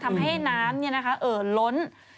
ทำให้น้ำเนี่ยนะคะเอ่อล้น